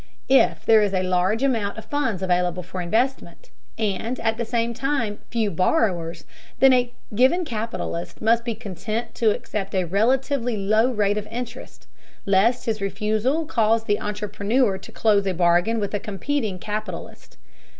If there is a large amount of funds available for investment, and at the same time few borrowers, then a given capitalist must be content to accept a relatively low rate of interest, lest his refusal cause the entrepreneur to close a bargain with a competing capitalist.